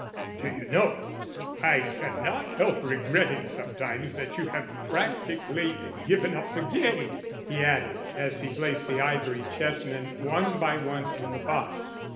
"Do you know, I cannot help regretting sometimes that you have practically given up the game," he added, as he placed the ivory chess men one by one in the box.